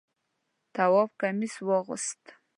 تواب کمیس واغوست.